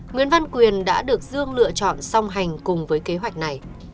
nguyễn văn quyền đã được dương lựa chọn song hành cùng với kế hoạch này